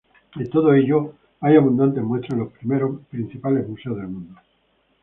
De todo ello hay abundantes muestras en los principales museos del mundo.